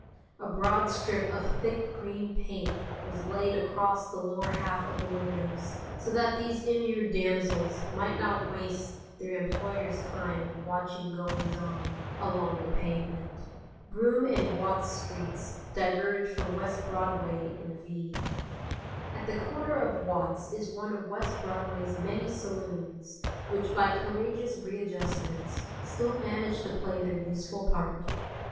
A broad strip of thick green paint was laid across the lower half of the windows so that these immured damsels might not waste their employers' time in watching goings on along the pavement. Broome and Watts streets diverge from West Broadway in a V. At the corner of Watts is one of West Broadway's many saloons, which by courageous readjustments still manage to play their useful part.